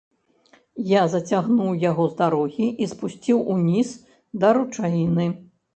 Я зацягнуў яго з дарогі і спусціў уніз да ручаіны.